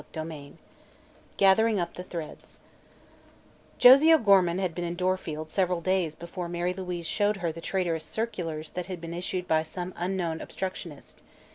CHAPTER IX GATHERING UP THE THREADS Josie O'Gorman had been in Dorfield several days before Mary Louise showed her the traitorous circulars that had been issued by some unknown obstructionist.